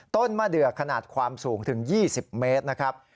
ต้นมะเดือกขนาดความสูงถึง๒๐เมตรนะครับ